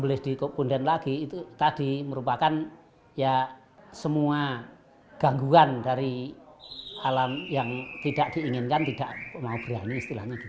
boleh dipunden lagi itu tadi merupakan ya semua gangguan dari alam yang tidak diinginkan tidak mau berani istilahnya